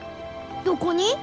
どこに？